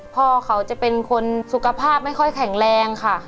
พ่อเขาจะเป็นคนสุขภาพไม่ค่อยแข็งแรงค่ะ